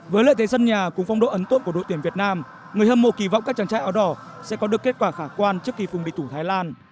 với lợi thế sân nhà cùng phong độ ấn tượng của đội tuyển việt nam người hâm mộ kỳ vọng các chàng trai áo đỏ sẽ có được kết quả khả quan trước khi cùng đi tủ thái lan